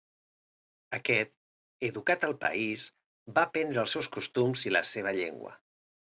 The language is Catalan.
Aquest, educat al país, va aprendre els seus costums i la seva llengua.